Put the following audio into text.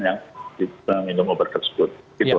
yang minum obat tersebut